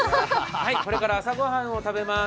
これから朝御飯を食べます。